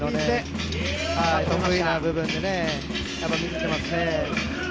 得意な部分で見せてますね。